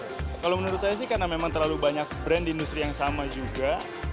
kalau menurut saya sih karena memang terlalu banyak brand di industri yang sama juga